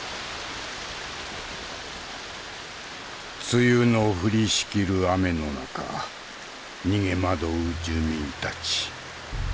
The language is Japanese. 梅雨の降りしきる雨の中逃げ惑う住民たち。